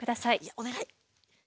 お願い。